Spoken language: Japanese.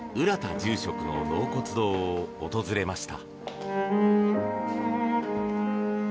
住職の納骨堂を訪れました。